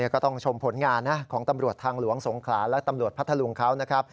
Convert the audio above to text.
ก็ต้องชมผลงานนะของตำรวจทางหลวงสงขลาและตำรวจพัทธลุงเขานะครับ